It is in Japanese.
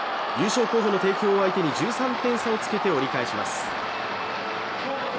優勝候補の帝京を相手に１３点差をつけて折り返します。